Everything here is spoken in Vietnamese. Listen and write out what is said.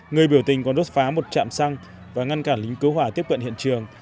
người biểu tình còn đốt phá một chạm xăng và ngăn cản lính cứu hỏa tiếp cận hiện trường